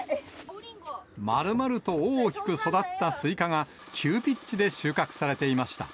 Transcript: まるまると大きく育ったスイカが、急ピッチで収穫されていました。